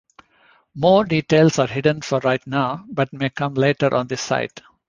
More details are hidden for right now, but may come later on this site.